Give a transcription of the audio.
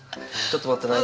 ちょっと待ってね。